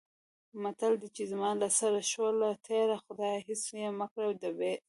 متل دی: چې زما له سره شوله تېره، خدایه هېڅ یې مه کړې ډېره.